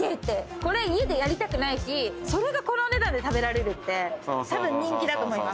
これ家でやりたくないしそれがこのお値段で食べられるってたぶん。